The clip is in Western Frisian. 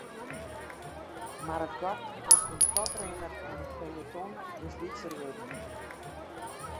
Mar it gat tusken de koprinner en it peloton is lytser wurden.